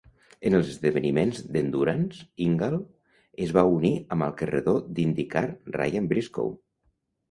En els esdeveniments d'Endurance, Ingall es va unir amb el corredor d'IndyCar Ryan Briscoe.